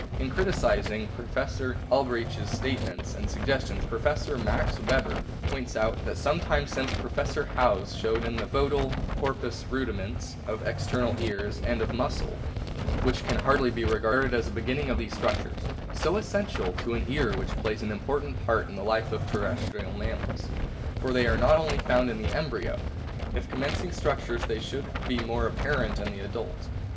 In criticisino Professor Albrecht's statements and <_> suggestions Professor Max Weber * points out that some time since Professor Howes showed in the fcetal porpoise rudiments of external ears and of a muscle, which can hardly be regarded as a beginning of these structures, so essential to an ear which plays an important part in the life of terrestrial mammals. For they are only found in the embryo ; if com mencing structures they should be more apparent in the adult.